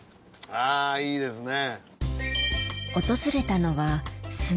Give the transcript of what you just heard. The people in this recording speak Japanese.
あいいですね。